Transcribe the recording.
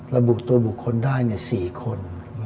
ระบุตัวบุคคลได้๔คน